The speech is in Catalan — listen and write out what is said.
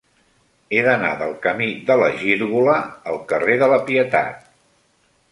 He d'anar del camí de la Gírgola al carrer de la Pietat.